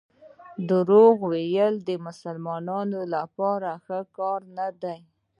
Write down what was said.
درواغ ویل د مسلمان لپاره ښه کار نه دی.